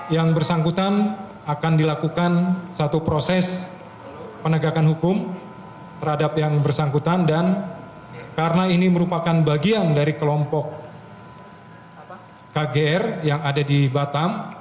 yang bersangkutan akan dilakukan satu proses penegakan hukum terhadap yang bersangkutan dan karena ini merupakan bagian dari kelompok kgr yang ada di batam